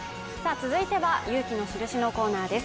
続いては「勇気のシルシ」のコーナーです。